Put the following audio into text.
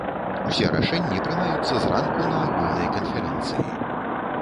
Усе рашэнні прымаюцца зранку на агульнай канферэнцыі.